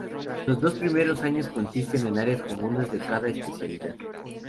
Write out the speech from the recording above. Los dos primeros años consisten en áreas comunes de cada especialidad.